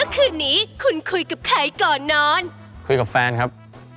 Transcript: คุยกับแฟนครับ